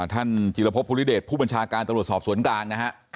จิลภพภูริเดชผู้บัญชาการตำรวจสอบสวนกลางนะฮะ